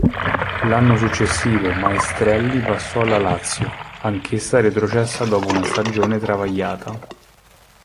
L'anno successivo Maestrelli passò alla Lazio, anch'essa retrocessa dopo una stagione travagliata.